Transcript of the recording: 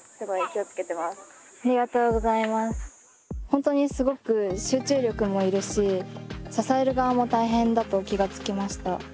本当にすごく集中力もいるし支える側も大変だと気が付きました。